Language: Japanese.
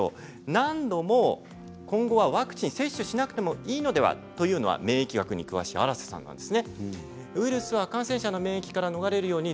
今後はワクチンを接種しなくてもいいのではというのは免疫学に詳しい荒瀬さんです。